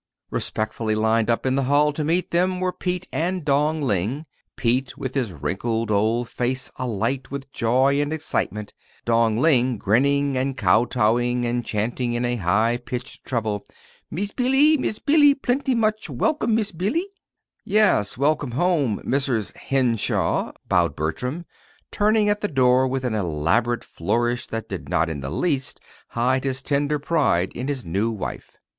Respectfully lined up in the hall to meet them were Pete and Dong Ling: Pete with his wrinkled old face alight with joy and excitement; Dong Ling grinning and kotowing, and chanting in a high pitched treble: "Miss Billee, Miss Billee plenty much welcome, Miss Billee!" "Yes, welcome home, Mrs. Henshaw!" bowed Bertram, turning at the door, with an elaborate flourish that did not in the least hide his tender pride in his new wife.